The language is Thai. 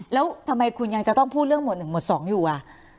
แล้วทำไมคุณยังจะต้องพูดเรื่องหวด๑หมวด๒อยู่อ่ะ